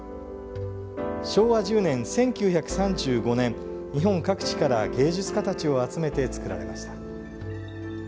昭和１０年１９３５年日本各地から芸術家たちを集めてつくられました。